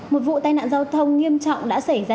một vụ tai nạn giao thông nghiêm trọng đã xảy ra